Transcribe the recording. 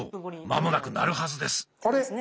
間もなく鳴るはずです。